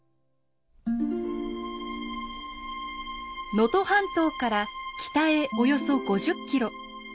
能登半島から北へおよそ５０キロ。